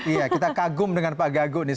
iya kita kagum dengan pak gago nih